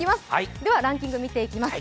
ランキング、見ていきます。